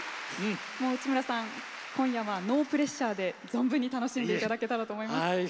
内村さん、今夜はノープレッシャーで存分に楽しんでいただけたらと思います。